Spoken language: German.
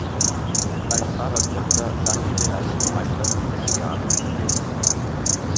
Als Pfarrerstochter sang sie bereits im Alter von sechs Jahren im Kirchenchor.